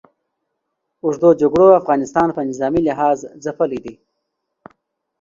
اوږدو جګړو افغانستان په نظامي لحاظ ځپلی دی.